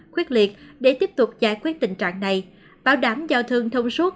khuyết liệt để tiếp tục giải quyết tình trạng này bảo đảm giao thương thông suốt